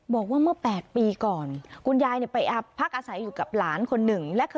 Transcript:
บอกว่าเมื่อ๘ปีก่อน